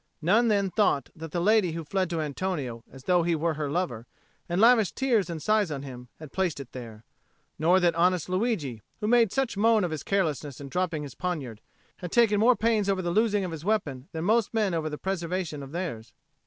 None then thought that the lady who fled to Antonio as though he were her lover, and lavished tears and sighs on him, had placed it there. Nor that honest Luigi, who made such moan of his carelessness in dropping his poniard, had taken more pains over the losing of his weapon than most men over the preservation of theirs.